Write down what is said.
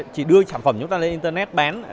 chỉ đưa sản phẩm chúng ta lên internet bán